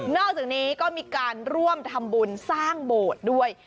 อกจากนี้ก็มีการร่วมทำบุญสร้างโบสถ์ด้วย